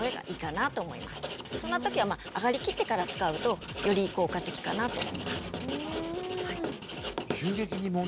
そんな時は上がりきってから使うとより効果的かなと思います。